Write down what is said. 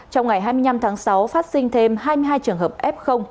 trong ngày hai mươi năm tháng sáu phát sinh thêm hai mươi hai trường hợp f